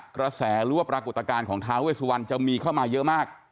กระแสหรือว่าปรากฏการณ์ของท้าเวสวันจะมีเข้ามาเยอะมาก